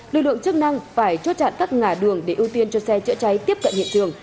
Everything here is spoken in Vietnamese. lực lượng chức năng phải chốt chặn tất ngã đường để ưu tiên cho xe chữa cháy tiếp cận hiện trường